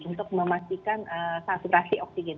untuk memastikan saturasi oksigen